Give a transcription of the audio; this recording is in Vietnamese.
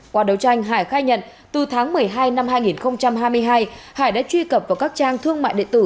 qua đấu tranh hải khai nhận từ tháng một mươi hai năm hai nghìn hai mươi hai hải đã truy cập vào các trang thương mại điện tử